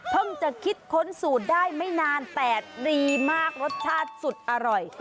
จะคิดค้นสูตรได้ไม่นาน๘ปีมากรสชาติสุดอร่อย